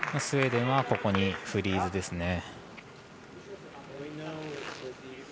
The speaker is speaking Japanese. スウェーデンはここにフリーズです。